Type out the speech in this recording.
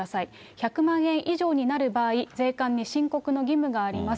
１００万円以上になる場合、税関に申告の義務があります。